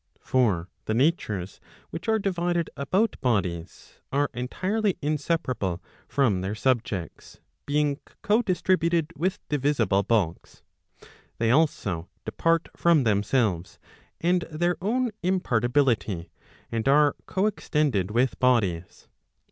For the natures which are divided about bodies, are entirely inseparable from their subjects, being co distribuled with divisible bulks. They also depart from themselves, and their own impartiality, and are co extended with bodies.